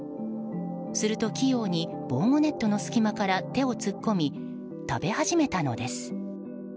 すると器用に、防護ネットの隙間から手を突っ込み食べ始めたのです。